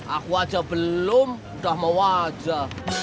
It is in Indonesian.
aku aja belum udah mau wajah